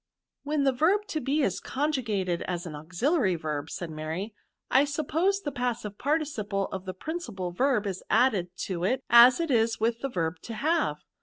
'^ When the verb to be is conjugated as an auxiliaiyverb,'^ said Mary, '^ I suppose die pas< sive participle of the principal verb is added to it, as it is with the v^b to have.